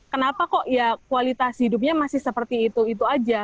kenapa kok ya kualitas hidupnya masih seperti itu itu aja